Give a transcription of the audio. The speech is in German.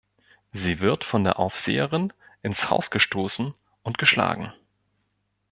Sie wird von der Aufseherin ins Haus gestoßen und geschlagen.